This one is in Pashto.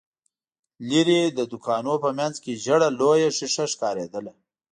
ليرې، د دوکانونو په مينځ کې ژېړه لويه ښيښه ښکارېدله.